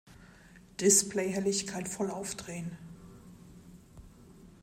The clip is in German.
Displayhelligkeit voll aufdrehen!